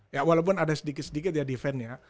ya walaupun ada sedikit sedikit ya defendnya